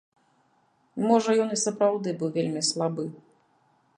Можа ён і сапраўды быў вельмі слабы.